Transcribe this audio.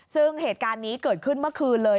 ซึ่งเหตุการณ์นี้เกิดขึ้นเมื่อคืนเลย